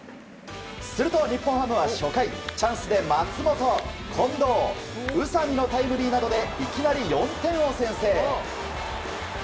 すると日本ハムは初回チャンスで松本、近藤宇佐見のタイムリーなどでいきなり４点を先制。